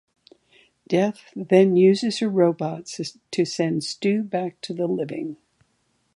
Death then uses her robot to send Stu back to the living.